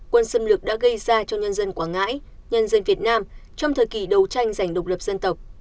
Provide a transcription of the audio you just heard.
quân xâm lược đã gây ra cho nhân dân quảng ngãi nhân dân việt nam trong thời kỳ đấu tranh giành độc lập dân tộc